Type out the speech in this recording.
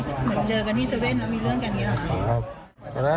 เหมือนเจอกันที่เซเวนส์แล้วมีเรื่องกับอื่นไหม